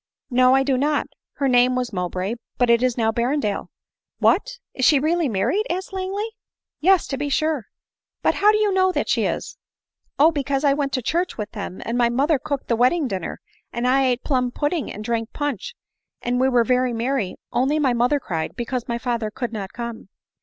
" No, I do not ; her name was Mowbray, but it is now Berrendale." " What ! is she really married ?" asked Langley. " Yes, to be sure." i WMWWMHOTnn««aw ADELINE MOWBRAY. 249 " But how do you know that she is ?"" Oh ! because I went to church with them, and my mother cooked the wedding dinner, and I ate plumb pudding and drank punch, and we were very merry only my mother cried, because my father could not come."